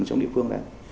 trong địa phương đấy